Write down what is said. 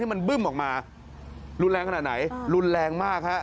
มันบึ้มออกมารุนแรงขนาดไหนรุนแรงมากฮะ